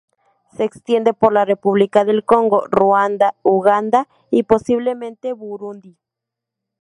Se extiende por la República del Congo, Ruanda, Uganda, y posiblemente Burundi.